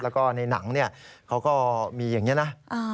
แล้วก็ในหนังเขาก็มีอย่างนี้นะ